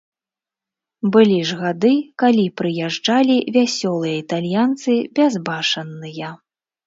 Былі ж гады, калі прыязджалі вясёлыя італьянцы, бязбашанныя.